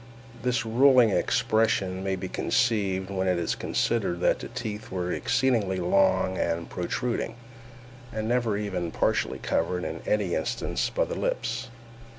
This ruling expression may be conceived when it is considered that the teeth were exceedingly long and protruding, and never even partially covered, in any instance, by the lips.